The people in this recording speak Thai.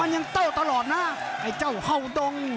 ยังเต้าตลอดนะไอ้เจ้าเห่าดง